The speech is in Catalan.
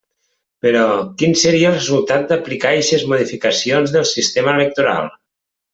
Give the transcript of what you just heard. Però, ¿quin seria el resultat d'aplicar eixes modificacions del sistema electoral?